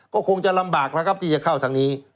ก็คงจะลำบากแล้วครับที่จะเข้าทางนี้